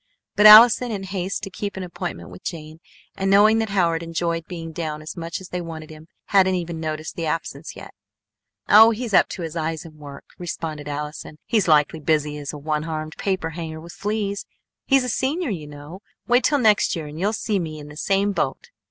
But Allison, in haste to keep an appointment with Jane, and knowing that Howard enjoyed being down as much as they wanted him, hadn't even noticed the absence yet. "Oh, he's up to his eyes in work," responded Allison. "He's likely busy as a one armed paper hanger with fleas! He's a senior, you know. Wait till next year and you'll see me in the same boat!"